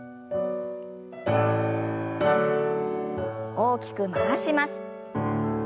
大きく回します。